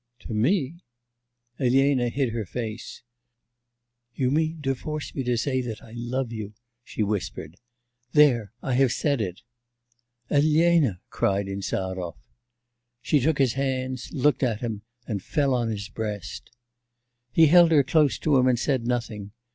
'To me?' Elena hid her face. 'You mean to force me to say that I love you,' she whispered. 'There, I have said it.' 'Elena!' cried Insarov. She took his hands, looked at him, and fell on his breast. He held her close to him, and said nothing.